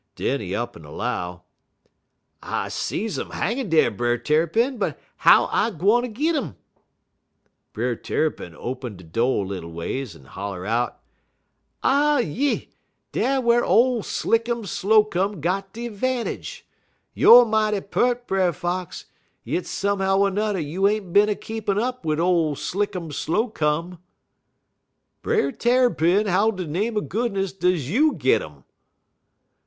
Den he up'n 'low: "'I sees um hangin' dar, Brer Tarrypin, but how I gwine git um?' "Brer Tarrypin open he do' little ways en holler out: "'Ah yi! Dar whar ole Slickum Slow come got de 'vantage! Youer mighty peart, Brer Fox, yit somehow er nudder you ain't bin a keepin' up wid ole Slickum Slow come.' "'Brer Tarrypin, how de name er goodness does you git um?'